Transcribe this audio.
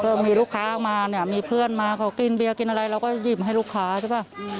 มีลูกค้าออกมาเนี่ยมีเพื่อนมาเขากินเบียร์กินอะไรเราก็หยิบให้ลูกค้าใช่ป่ะ